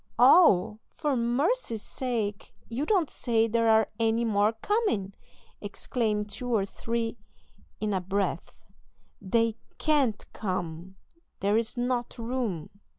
"All! for mercy's sake, you don't say there are any more coming!" exclaim two or three in a breath; "they can't come; there is not room!"